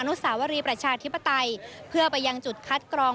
สาวรีประชาธิปไตยเพื่อไปยังจุดคัดกรอง